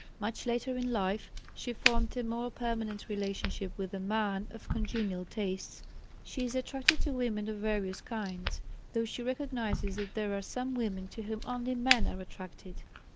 Much later in life, she formed a more permanent relationship with a man of congenial tastes. She is attracted to women of various kinds, though she recognizes that there are some women to whom only men are attracted.